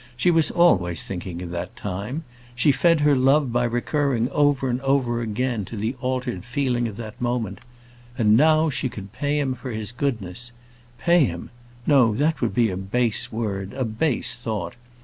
She was always thinking of that time. She fed her love by recurring over and over to the altered feeling of that moment. Any now she could pay him for his goodness. Pay him! No, that would be a base word, a base thought.